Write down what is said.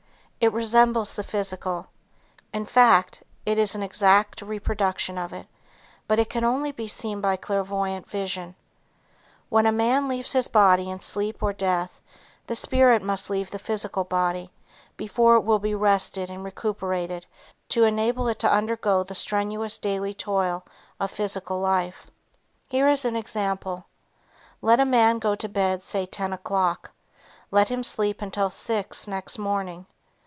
It resembles the physical. In fact, it is an exact reproduction of it, but it can only be seen by clairvoyant vision. When a man leaves his body in sleep or death, the spirit must leave the physical body before it will be rested and recuperated to enable it to undergo the strenuous daily toil of physical life. Here is an example. Let a man go to bed say ten o'clock. Let him sleep until six next morning.